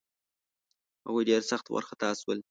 هغوی ډېر سخت وارخطا شول.